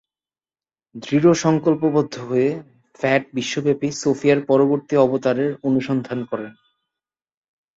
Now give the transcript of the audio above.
দৃঢ়সংকল্পবদ্ধ হয়ে, ফ্যাট বিশ্বব্যাপী সোফিয়ার পরবর্তী অবতারের অনুসন্ধান করেন।